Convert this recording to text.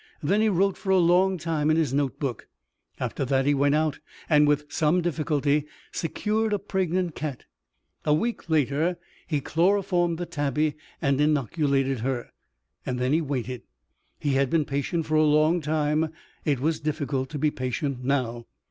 Then he wrote for a long time in his notebook. After that he went out and, with some difficulty, secured a pregnant cat. A week later he chloroformed the tabby and inoculated her. Then he waited. He had been patient for a long time. It was difficult to be patient now.